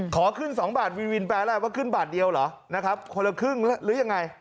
ขอขึ้น๒บาทวินวินแปลว่าขึ้นบาทเดียวเหรอนะครับคนละครึ่งหรือยังไง